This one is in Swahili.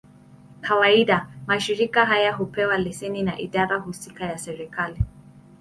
Kawaida, mashirika haya hupewa leseni na idara husika ya serikali.